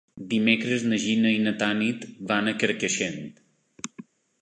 Dimecres na Gina i na Tanit van a Carcaixent.